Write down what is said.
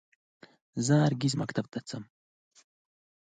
زه هر سهار ښوونځي ته ځم